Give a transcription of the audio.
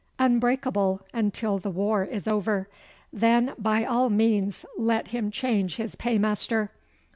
unbreakable until the war is over. Then by all means let him change his paymaster.